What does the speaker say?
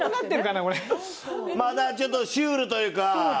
まあだからちょっとシュールというか。